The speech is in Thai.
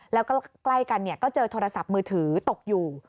แล้วก็ใกล้กันก็เจอโทรศัพท์มือถือตกอยู่